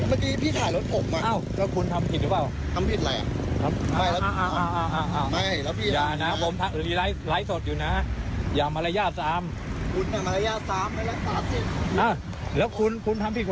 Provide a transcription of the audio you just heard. สักทีพี่ถ่ายรถผมอย่างไรค